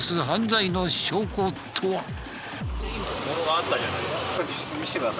犯罪の証拠とは？